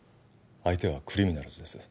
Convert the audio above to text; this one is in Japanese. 相手はクリミナルズです